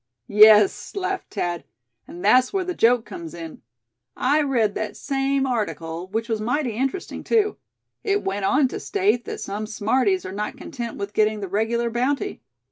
"Yes," laughed Thad, "and that's where the joke comes in. I read that same article, which was mighty interesting too. It went on to state that some smarties are not content with getting the regular bounty.